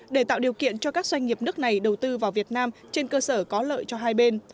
để tạo điều kiện cho các doanh nghiệp nước này đầu tư vào việt nam trên cơ sở có lợi cho hai bên